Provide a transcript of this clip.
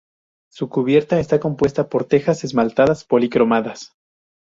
Su cubierta está compuesta por tejas esmaltadas policromadas.